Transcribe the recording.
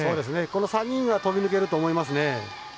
この３人が飛びぬけると思いますね。